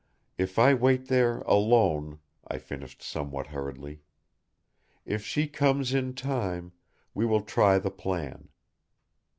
"If I wait there alone," I finished somewhat hurriedly. "If she comes in time, we will try the plan.